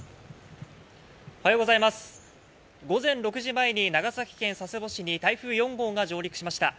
午前６時前に長崎県佐世保市に台風４号が上陸しました。